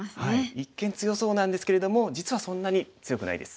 一見強そうなんですけれども実はそんなに強くないです。